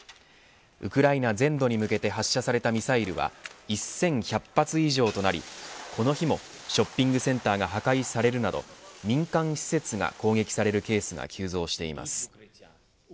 ウクライナ全土に向けて発射されたミサイルは１１００発以上となりこの日もショッピングセンターが破壊されるなど民間施設が攻撃されるケースが急増しています。